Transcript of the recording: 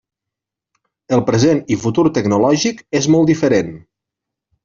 El present i futur tecnològic és molt diferent.